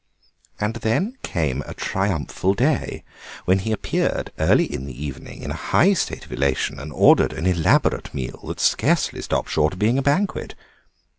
And then came a triumphal day, when he appeared early in the evening in a high state of elation, and ordered an elaborate meal that scarcely stopped short of being a banquet.